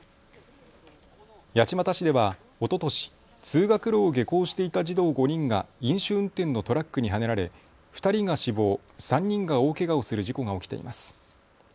八街市ではおととし通学路を下校していた児童５人が飲酒運転のトラックにはねられ２人が死亡、３人が大けがをする事故が起きています。